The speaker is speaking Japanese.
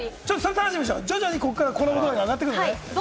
徐々にここからコラボ具合が上がってくんだよね？